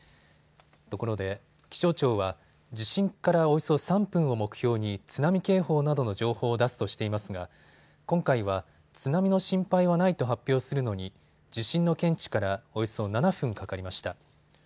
ところで、気象庁は地震からおよそ３分を目標に津波警報などの情報を出すとしていますが今回は津波の心配はないと発表するのに地震の検知からおよそ７分かかりました。